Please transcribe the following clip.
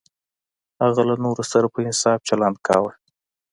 هغه له نورو سره په انصاف چلند کاوه.